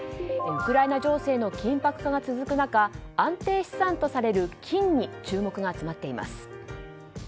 ウクライナ情勢の緊迫化が続く中安定資産とされる金に注目が集まっています。